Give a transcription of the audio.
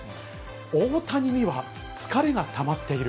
大谷には疲れがたまっている。